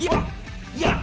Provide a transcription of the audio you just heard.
いや。